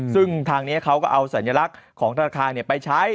ซึ่งทางนี้เขาก็เอาสัญลักษณ์ของธนาคารไปใช้